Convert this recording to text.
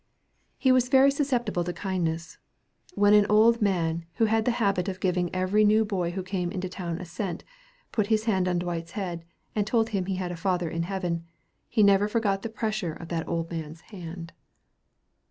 He was very susceptible to kindness. When an old man, who had the habit of giving every new boy who came into the town a cent, put his hand on Dwight's head, and told him he had a Father in heaven, he never forgot the pressure of that old man's hand.